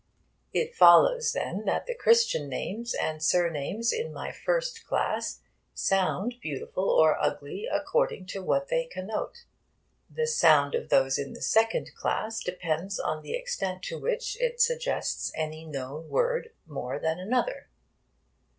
It follows, then, that the Christian names and surnames in my first class sound beautiful or ugly according to what they connote. The sound of those in the second class depends on the extent to which it suggests any known word more than another.